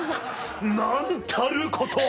「何たることを！」